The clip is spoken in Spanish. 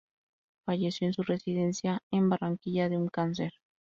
Falleció en su residencia en Barranquilla, de un cáncer.